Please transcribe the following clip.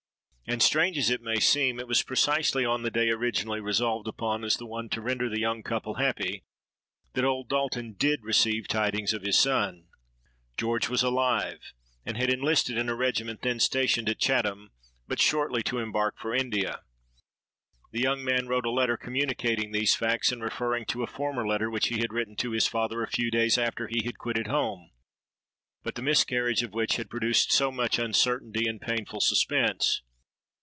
And, strange as it may seem, it was precisely on the day originally resolved upon as the one to render the young couple happy,—that old Dalton did receive tidings of his son. George was alive, and had enlisted in a regiment then stationed at Chatham, but shortly to embark for India. The young man wrote a letter communicating these facts, and referring to a former letter which he had written to his father a few days after he had quitted home, but the miscarriage of which had produced so much uncertainty and painful suspense.